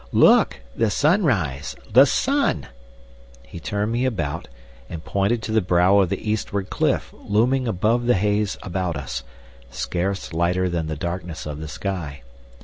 "Look! The sunrise! The sun!" He turned me about and pointed to the brow of the eastward cliff, looming above the haze about us, scarce lighter than the darkness of the sky.